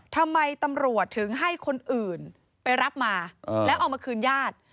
ทำไมตำรวจถึงให้คนอื่นไปรับมาแล้วเอามาคืนญาติ